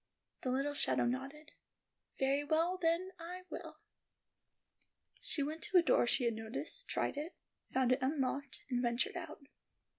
The little shadow nodded. "Very well, then, I will." She went to a door she had noticed, tried it, found it unlocked, and ventured out.